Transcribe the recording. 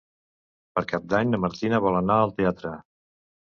Per Cap d'Any na Martina vol anar al teatre.